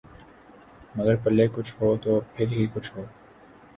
مگر پلے کچھ ہو تو پھر ہی کچھ ہو۔